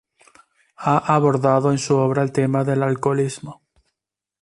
Ha abordado en su obra el tema del alcoholismo.